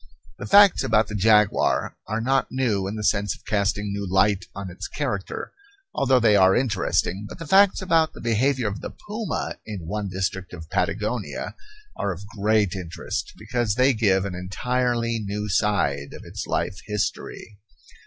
The facts about the jaguar are not new in the sense of casting new light on its character, although they are interesting; but the facts about the behavior of the puma in one district of Patagonia are of great interest, because they give an entirely new side of its life history.